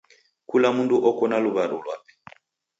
Kula mndu oko na luw'aru lwape.